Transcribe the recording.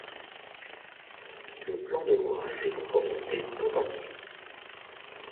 Le plan de l'ouvrage est donc orienté tout entier.